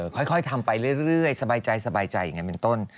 ค่อยทำไปเรื่อยสบายใจอย่างนั้นเป็นต้น